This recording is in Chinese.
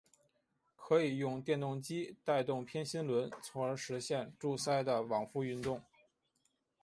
可以用电动机带动偏心轮从而实现柱塞的往复运动。